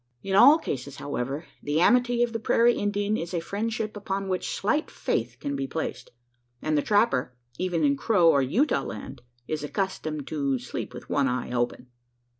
In all cases, however, the amity of the prairie Indian is a friendship upon which slight faith can be placed; and the trapper even in Crow or Utah land is accustomed "to sleep with one eye open."